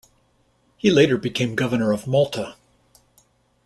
He later became Governor of Malta.